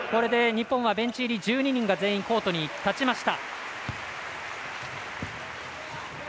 ベンチ入り１２人が全員コートに立ちました。